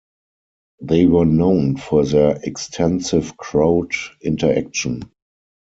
They were known for their extensive crowd interaction.